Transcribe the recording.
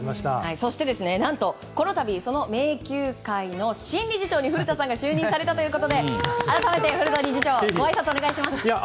そして、何とこの度、その名球会の新理事長に古田さんが就任されたということで改めて古田理事長お願いします。